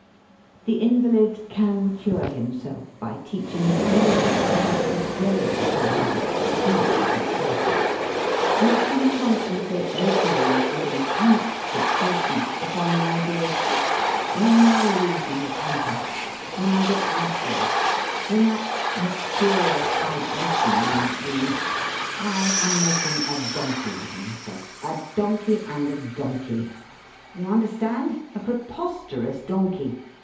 The invalid can cure himself by teaching his brain the habit of dwelling upon his extreme fatuity. Let him concentrate regularly, with intense fixation, upon the ideas: 'When I lose my temper, when I get ruffled, when that mysterious vibration runs through me, I am making a donkey of myself, a donkey, and a donkey! You understand, a preposterous donkey!